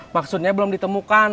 maksudnya belum ditemukan